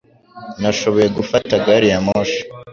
Nashoboye gufata gari ya moshi